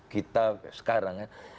kita sekarang ya